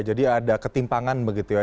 jadi ada ketimpangan begitu ya